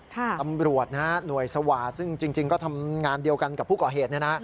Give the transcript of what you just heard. ตำรวจหน่วยสวาซึ่งจริงก็ทำงานเดียวกันกับผู้ก่อเหตุ